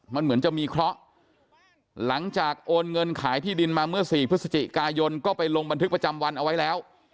มันเหมือนจะมีเคราะห์หลังจากโอนเงินขายที่ดินมาเมื่อ๔พฤศจิกายนก็ไปลงบันทึกประจำวันเอาไว้แล้ว